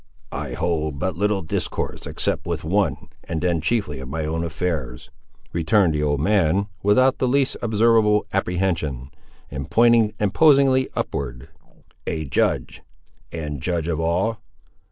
"I hold but little discourse except with one and then chiefly of my own affairs," returned the old man, without the least observable apprehension, and pointing imposingly upward; "a Judge; and Judge of all.